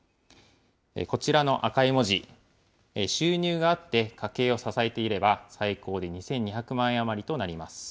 こちらの赤い文字、収入があって家計を支えていれば、最高で２２００万円余りとなります。